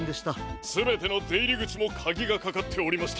すべてのでいりぐちもカギがかかっておりました！